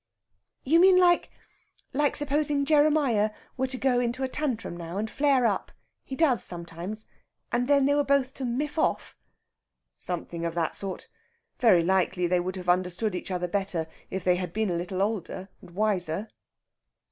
"You mean like like supposing Jeremiah were to go into a tantrum now and flare up he does sometimes and then they were both to miff off?" "Something of that sort. Very likely they would have understood each other better if they had been a little older and wiser...."